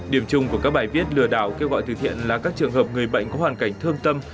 điểm chung của các bài viết lừa đảo kêu gọi từ thiện là các trường hợp người bệnh có hoàn cảnh thương tâm